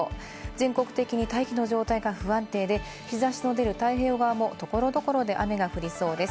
全国的に大気の状態が不安定で、日差しの出る太平洋側も所々で雨が降りそうです。